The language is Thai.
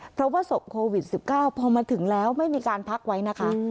เพราะว่าศพโควิด๑๙พอมาถึงแล้วไม่มีการพักไว้นะคะ